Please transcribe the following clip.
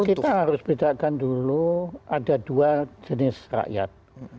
kita harus bedakan dulu ada dua jenis rakyat